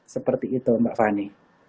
seperti itu mbak fani